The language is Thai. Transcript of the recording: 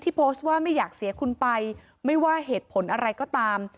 โพสต์ว่าไม่อยากเสียคุณไปไม่ว่าเหตุผลอะไรก็ตาม